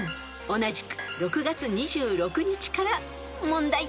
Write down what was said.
［同じく６月２６日から問題］